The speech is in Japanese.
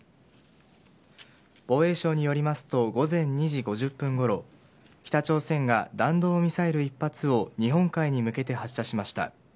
防衛省によりますと午前２時５０分ごろ北朝鮮が弾道ミサイル１発を日本海に向けて発射しました。